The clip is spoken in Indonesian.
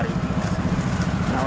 kita tetap dijalankan